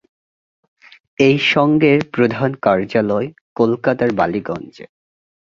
এই সংঘের প্রধান কার্যালয় কলকাতার বালীগঞ্জে।